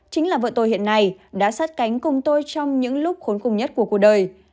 chính là vợ tôi hiện nay đã sát cánh cùng tôi trong những lúc khốn cùng nhất của cuộc đời